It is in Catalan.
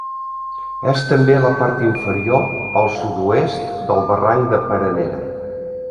És també la part inferior, al sud-oest, del barranc de Peranera.